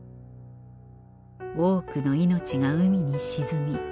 多くの命が海に沈み